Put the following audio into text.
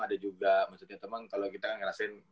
ada juga maksudnya temen kalo kita ngerasain